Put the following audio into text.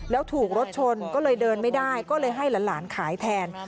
แล้วถูกรถชนก็เลยเดินไม่ได้ก็เลยให้หลานขายแทน